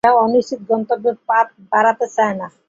তারা অনিশ্চিত গন্তব্যে পা বাড়াতে চায় না!